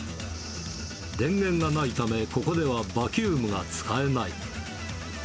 電源がないため、ここではバキュームが使えない。